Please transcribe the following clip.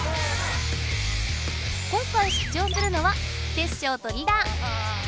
今回出張するのはテッショウとリラ。